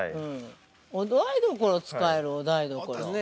◆お台所、使える、お台所。